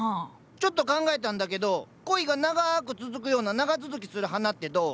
ちょっと考えたんだけど恋が長く続くような長続きする花ってどう？